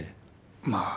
まあ。